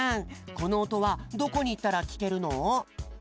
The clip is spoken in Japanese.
このおとはどこにいったらきけるの？